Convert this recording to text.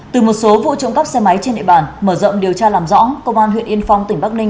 từ một số vụ trộm cắp xe máy trên địa bàn mở rộng điều tra làm rõ công an huyện yên phong tỉnh bắc ninh